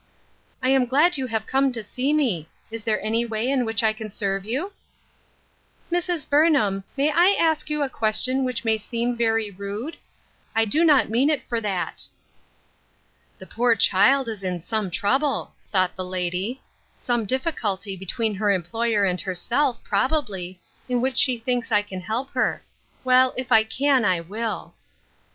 "I am glad you have come to see me; is there any way in which I can serve you?" " Mrs. Burnham, may I ask you a question which may seem very rude ? I do not mean it for that." " The poor child is in some trouble," thought the lady ;" some difficulty between her employer and herself, probably, in which she thinks I can help her. Well, if I can, I will."